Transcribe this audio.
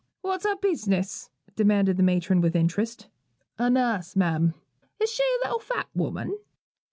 'What's her business?' demanded the matron, with interest. 'A nurse, ma'am.' 'Is she a little fat woman?'